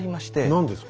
何ですか？